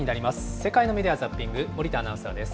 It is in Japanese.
世界のメディア・ザッピング、森田アナウンサーです。